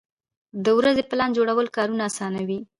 د ورځې پلان جوړول کارونه اسانوي.